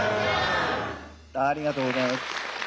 ありがとうございます。